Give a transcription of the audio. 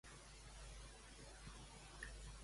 Em fas el favor d'explicar-me un acudit?